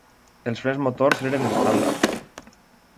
Els frens motors eren estàndard.